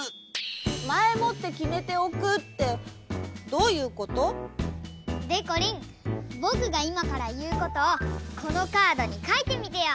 まえもってきめておくってどういうこと？でこりんぼくがいまからいうことをこのカードにかいてみてよ。